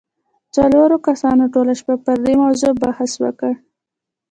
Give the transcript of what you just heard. څلورو کسانو ټوله شپه پر دې موضوع بحث وکړ.